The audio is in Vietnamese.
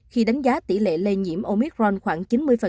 khi đánh giá tỷ lệ lây nhiễm omicron khoảng chín mươi